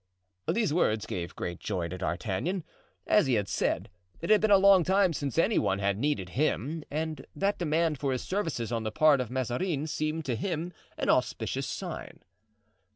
These words gave great joy to D'Artagnan. As he had said, it had been a long time since any one had needed him; and that demand for his services on the part of Mazarin seemed to him an auspicious sign.